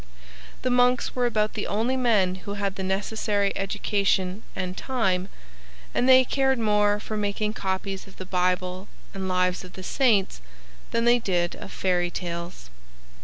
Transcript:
The monks were about the only men who had the necessary education and time, and they cared more for making copies of the Bible and Lives of the Saints than they did of fairy tales.